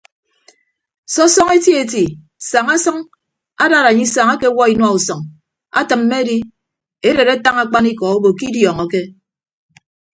Sọsọñọ eti eti saña sʌñ adad anye isañ akewuo inua usʌñ atịmme edi edet atañ akpanikọ obo ke idiọñọke.